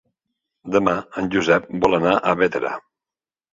Demà en Josep vol anar a Bétera.